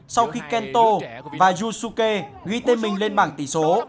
sau khi kento và yusuke ghi tên mình lên bảng tỷ số